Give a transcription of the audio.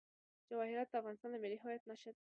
جواهرات د افغانستان د ملي هویت نښه ده.